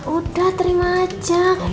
udah terima aja ya